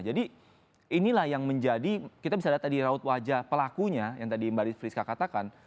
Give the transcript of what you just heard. jadi inilah yang menjadi kita bisa lihat tadi raut wajah pelakunya yang tadi mbak rizka katakan